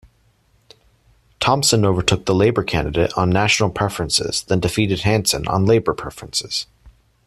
Thompson overtook the Labor candidate on National preferences, then defeated Hanson on Labor preferences.